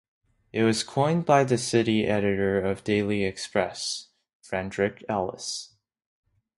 It was coined by the city editor of the "Daily Express", Frederick Ellis.